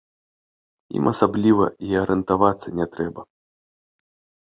Ім асабліва і арыентавацца не трэба.